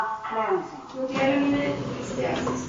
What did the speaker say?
Nuclear lamina diseases.